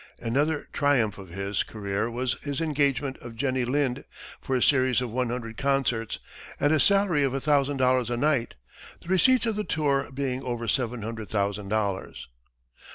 Another triumph of his career was his engagement of Jenny Lind for a series of one hundred concerts, at a salary of a thousand dollars a night, the receipts of the tour being over seven hundred thousand dollars.